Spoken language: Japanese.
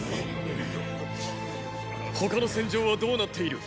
他の戦場はどうなっている？